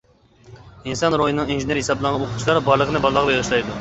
ئىنسان روھىنىڭ ئىنژېنېرى ھېسابلانغان ئوقۇتقۇچىلار بارلىقىنى بالىلارغا بېغىشلايدۇ.